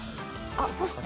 あっそして。